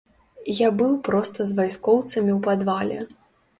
Я быў проста з вайскоўцамі ў падвале.